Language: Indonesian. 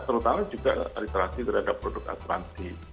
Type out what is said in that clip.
terutama juga literasi terhadap produk asuransi